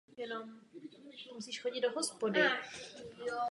Uchování kultury je nákladné a naší povinností je kulturu podporovat.